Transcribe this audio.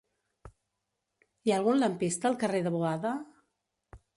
Hi ha algun lampista al carrer de Boada?